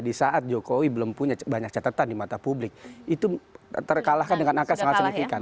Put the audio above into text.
di saat jokowi belum punya banyak catatan di mata publik itu terkalahkan dengan angka sangat signifikan